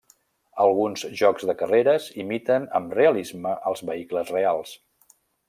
Alguns jocs de carreres imiten amb realisme els vehicles reals.